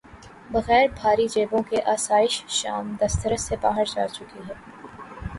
بغیر بھاری جیبوں کے آسائش شام دسترس سے باہر جا چکی ہیں۔